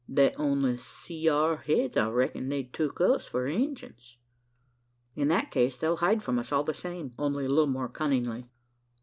"They only seed our heads. I reck'n they tuk us for Injuns?" "In that case, they'll hide from us all the same only a little more cunningly."